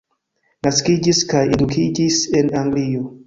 Naskiĝis kaj edukiĝis en Anglio.